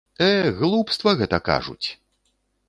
Э, глупства гэта кажуць!